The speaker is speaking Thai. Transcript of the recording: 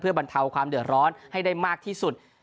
บรรเทาความเดือดร้อนให้ได้มากที่สุด